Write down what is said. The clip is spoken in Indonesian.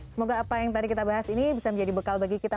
semoga apa yang tadi kita bahas ini bisa menjadi bekal bagi kita